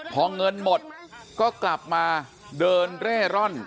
พอเงินหมดก็กลับมาเดินเร่ร่อน